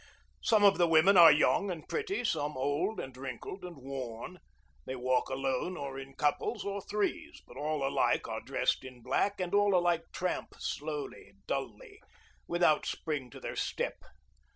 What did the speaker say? Some of the women are young and pretty, some old and wrinkled and worn; they walk alone or in couples or threes, but all alike are dressed in black, and all alike tramp slowly, dully, without spring to their step.